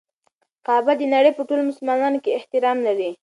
کعبه د نړۍ په ټولو مسلمانانو کې احترام لري.